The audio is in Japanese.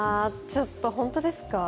ちょっと、本当ですか？